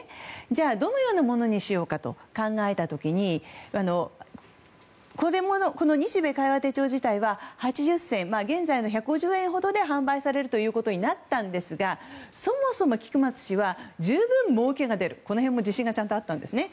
じゃあ、どのようなものにしようかと考えた時にこの「日米會話手帳」自体は８０銭現在の１５０円ほどで販売されることになったんですがそもそも、菊松氏は十分、もうけが出るまでにこの辺も自信があったんですね。